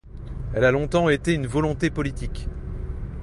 Elle a longtemps été une volonté politique.